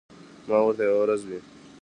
ما ورته یوه ورځ وې ـ